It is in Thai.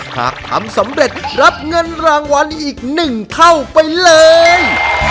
หากทำสำเร็จรับเงินรางวัลอีก๑เท่าไปเลย